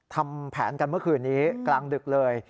ทำแผนกันเมื่อคืนนี้กลางดึกเลย